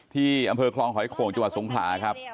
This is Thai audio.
ที่อำเภอคลองหอยโข่งจังหวัดสงขลาครับ